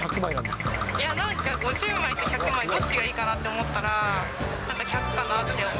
いやなんか、５０枚と１００枚どっちがいいかなって思ったら、なんか１００かなって思って。